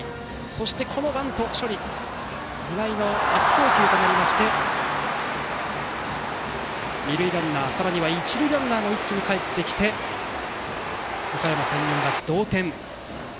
そして、このバント処理が菅井の悪送球となりまして二塁ランナーさらには一塁ランナーも一気にかえってきておかやま山陽が同点。